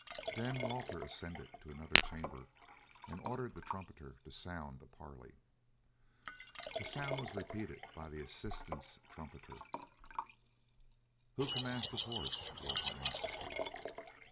Then Walter ascended to another chamber, and ordered the trumpeter to sound a parley. The sound was repeated by the assailants' trumpeter. "Who commands the force?" Walter asked.